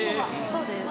そうです。